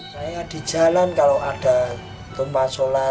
saya di jalan kalau ada tumbah solah